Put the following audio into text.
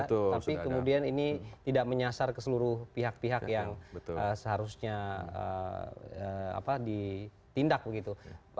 tapi kemudian ini tidak menyasar ke seluruh pihak pihak yang seharusnya ditindak begitu